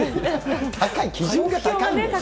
高い、基準が高いんだよね。